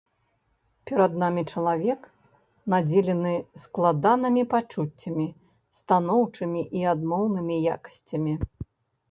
Перад намі чалавек, надзелены складанымі пачуццямі, станоўчымі і адмоўнымі якасцямі.